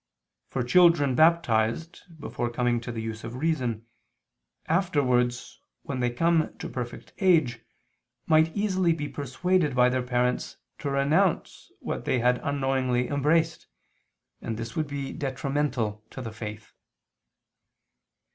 For children baptized before coming to the use of reason, afterwards when they come to perfect age, might easily be persuaded by their parents to renounce what they had unknowingly embraced; and this would be detrimental to the faith.